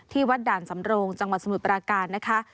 วัดด่านสำโรงจังหวัดสมุทรปราการนะคะ